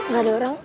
gak ada orang